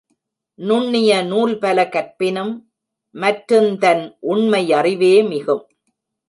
நுண்ணிய நூல்பல கற்பினும் மற்றுந்தன் உண்மை யறிவே மிகும்